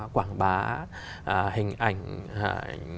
quảng bá hình ảnh